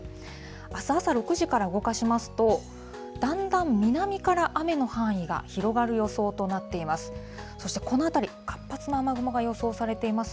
あす朝６時から動かしますと、だんだん南から雨の範囲が広がる予想となっています。